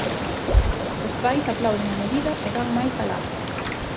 Os pais aplauden a medida e van máis alá.